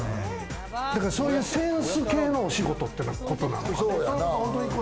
そういうセンス系のお仕事ってことなのかな？